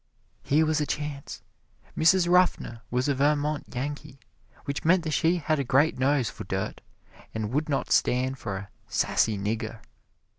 Here was a chance. Mrs. Ruffner was a Vermont Yankee, which meant that she had a great nose for dirt, and would not stand for a "sassy nigger."